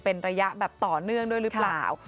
เป็นระยะแบบต่อเนื่องด้วยหรือเปล่า